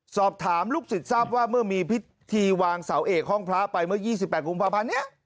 สอบถามลูกศิษย์ทราบว่าเมื่อมีพิธีวางเสาเอกห้องพระไปเมื่อ๒๘กุมภาพันธ์นี้